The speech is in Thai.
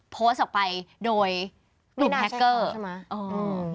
โพสต์ออกไปโดยกลุ่มแฮกเกอร์ไม่น่าใช้เขาใช่ไหม